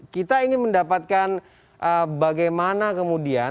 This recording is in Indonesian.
kita ingin mendapatkan bagaimana kemudian